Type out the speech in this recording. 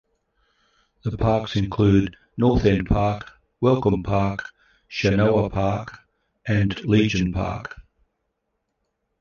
The parks include: North End Park, Welcome Park, Shanoah Park, and Legion Park.